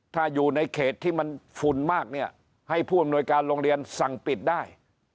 ถ้าอยู่ในเขตที่มันฝุ่นมากเนี่ยให้ผู้อำนวยการโรงเรียนสั่งปิดได้